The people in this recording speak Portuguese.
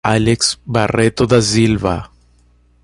Alex Barreto da Silva